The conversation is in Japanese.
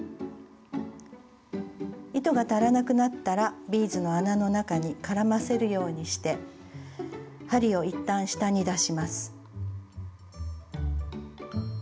糸が足らなくなったらビーズの穴の中に絡ませるようにして針を一旦下に出します。